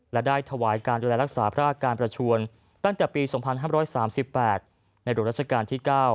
และได้ถวายการดูแลรักษาพระอาการประชวนตั้งแต่ปี๒๕๓๘ในหลวงราชการที่๙